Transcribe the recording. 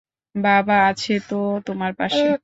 বাবা আছে তো তোমার পাশে!